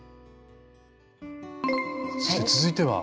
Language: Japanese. そして続いては。